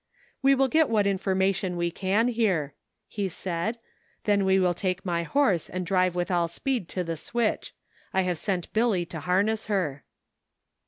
"We will get what information we can here," he said, " then we will take my horse and drive with all speed to the switch ; I have sent Billy to harness her."